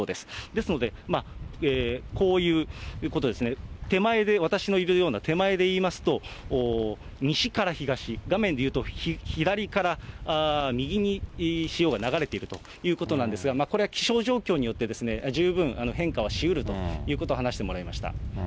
ですので、こういうことですね、手前で、私のいるような手前で言いますと、西から東、画面で言うと左から右に潮が流れているということなんですが、これは気象状況によって十分、変化はしうるということは話してもらいました。